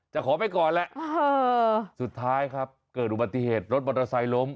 ขอไปก่อนแหละสุดท้ายครับเกิดอุบัติเหตุรถมอเตอร์ไซค์ล้ม